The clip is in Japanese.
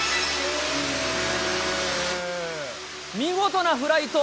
見事なフライト。